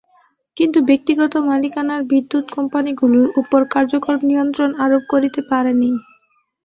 কিন্তু ব্যক্তিগত মালিকানার বিদ্যুত্ কোম্পানিগুলোর ওপর কার্যকর নিয়ন্ত্রণ আরোপ করতে পারেনি।